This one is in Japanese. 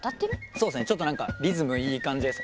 そうですねちょっと何かリズムいい感じです。